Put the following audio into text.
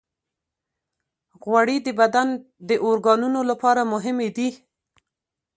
غوړې د بدن د اورګانونو لپاره مهمې دي.